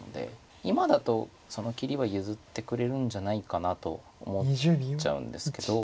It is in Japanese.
今だとその切りは譲ってくれるんじゃないかなと思っちゃうんですけど。